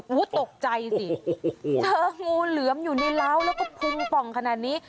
โอ้โหตกใจสิเจองูเหลือมอยู่ในร้าวแล้วก็พุงป่องขนาดนี้